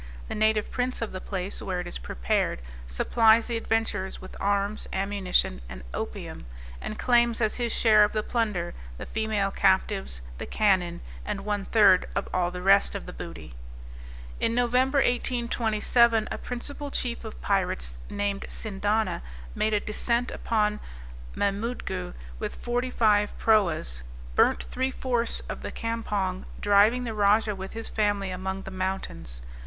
The native prince of the place where it is prepared, supplies the adventurers with arms, ammunition and opium, and claims as his share of the plunder, the female captives, the cannon, and one third of all the rest of the booty. In Nov. 1827, a principal chief of pirates, named Sindana, made a descent upon Mamoodgoo with forty five proas, burnt three fourths of the campong, driving the rajah with his family among the mountains.